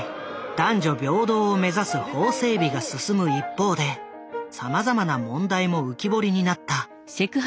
男女平等を目指す法整備が進む一方でさまざまな問題も浮き彫りになった。